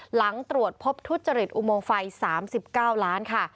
หลังตรวจพบทุจริตอุโมงไฟ๓๙ล้านค่ะ